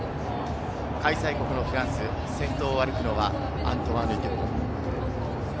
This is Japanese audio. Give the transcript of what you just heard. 開催国のフランス、先頭を歩くのはアントワーヌ・デュポン。